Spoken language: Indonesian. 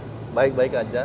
hahaha baik baik aja